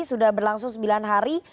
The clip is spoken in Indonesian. sudah berlangsung sembilan hari